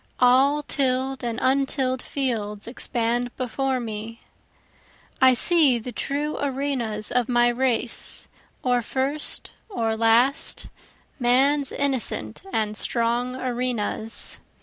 All till'd and untill'd fields expand before me, I see the true arenas of my race, or first or last, Man's innocent and strong arenas.